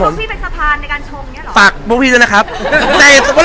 ให้พวกพี่ไปสะพานในการชมนี้เหรอ